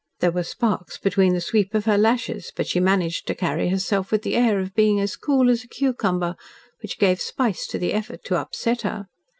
There were sparks between the sweep of her lashes, but she managed to carry herself with the air of being as cool as a cucumber, which gave spice to the effort to "upset" her.